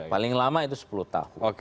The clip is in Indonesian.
paling lama itu sepuluh tahun